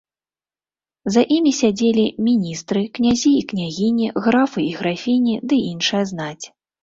За імі сядзелі міністры, князі і княгіні, графы і графіні ды іншая знаць.